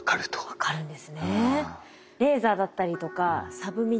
分かるんですね。